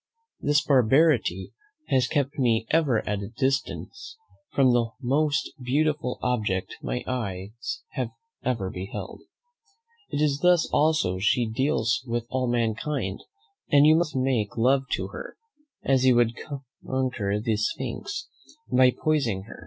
This barbarity has kept me ever at a distance from the most beautiful object my eyes ever beheld. It is thus also she deals with all mankind, and you must make love to her, as you would conquer the sphinx, by posing her.